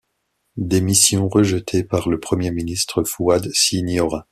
Démission rejetée par le Premier Ministre Fouad Siniora.